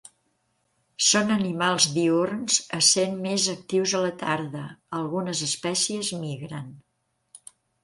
Són animals diürns essent més actius a la tarda, algunes espècies migren.